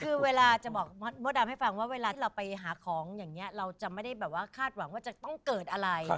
คือเวลาจะบอกมดดำให้ฟังว่าเวลาที่เราไปหาของอย่างนี้เราจะไม่ได้แบบว่าคาดหวังว่าจะต้องเกิดอะไร